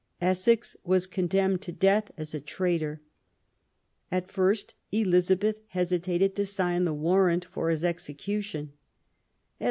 Essex was condemned to death as a traitor. At first Elizabeth hesitated to sign the warrant for his execution.